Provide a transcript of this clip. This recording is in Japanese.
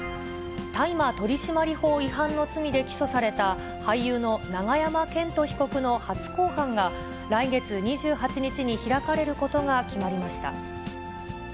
大麻取締法違反の罪で起訴された、俳優の永山絢斗被告の初公判が、来月２８日に開かれることが決まりました。